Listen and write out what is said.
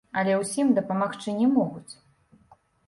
Але ўсім дапамагчы не могуць.